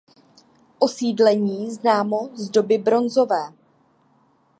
Osídlení známo z doby bronzové.